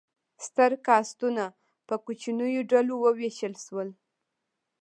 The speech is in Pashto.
ستر کاستونه په کوچنیو ډلو وویشل شول.